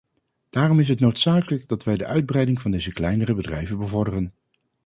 Daarom is het noodzakelijk dat wij de uitbreiding van deze kleinere bedrijven bevorderen.